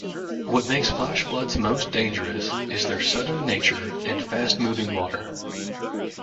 What makes flash floods most dangerous is their sudden nature and fast-moving water.